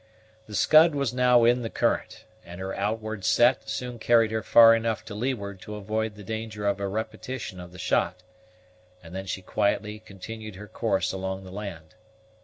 The Scud was now in the current, and her outward set soon carried her far enough to leeward to avoid the danger of a repetition of the shot, and then she quietly continued her course along the land.